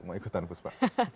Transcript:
mau ikutan puspa